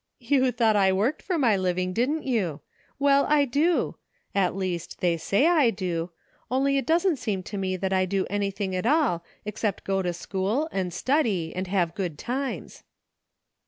"You thought I worked for my living, didn't you ? Well, I do ; at least they say I do, only it doesn't seem to me that I do anything at all except go to school and study and have good times."